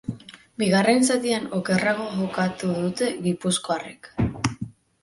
Bigarren zatian okerrago jokatu dute gipuzkoarrek.